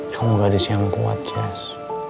kamu gadis yang kuat jess